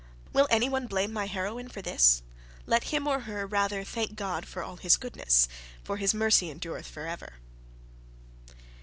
Will any one blame my heroine for this? Let him or her rather thank God for all His goodness, for His mercy endureth for ever.